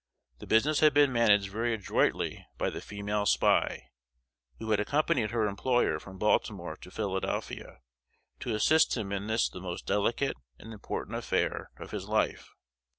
The business had been managed very adroitly by the female spy, who had accompanied her employer from Baltimore to Philadelphia to assist him in this the most delicate and important affair of his life.